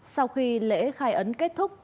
sau khi lễ khai ấn kết thúc